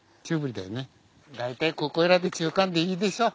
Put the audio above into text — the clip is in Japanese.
だいたいここらで中間でいいでしょう。